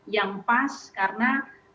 yang pas karena